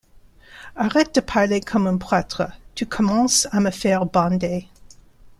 Arrête de parler comme un prêtre, tu commences à me faire bander.